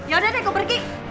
yaudah deh gue pergi